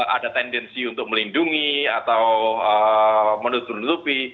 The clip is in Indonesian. ada tendensi untuk melindungi atau menutupi